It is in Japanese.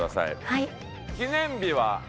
はい。